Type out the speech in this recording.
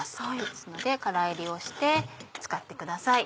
ですので空炒りをして使ってください。